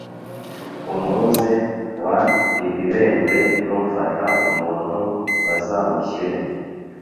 umuze w ibibembe nufata umuntu bazamushyire